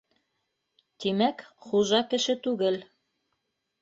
Тимәк, хужа кеше түгел.